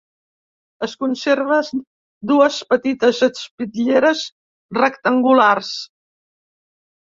Es conserven dues petites espitlleres rectangulars.